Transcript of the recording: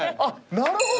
なるほど。